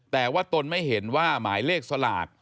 แต่ว่าตนไม่เห็นว่าหมายเลขสลาก